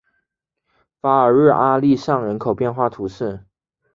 法尔日阿利尚人口变化图示